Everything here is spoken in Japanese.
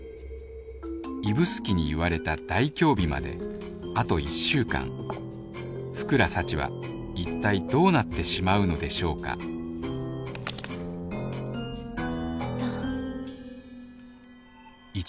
指宿に言われた大凶日まであと１週間福良幸は一体どうなってしまうのでしょうか痛ぁ。